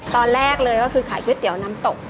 ตอนแรกเลยก็คือขายก๋วยเตี๋ยวน้ำตก